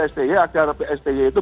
sti agar sti itu